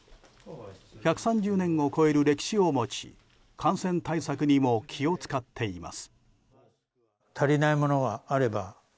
１３０年を超える歴史を持ち感染対策にも気を使っています。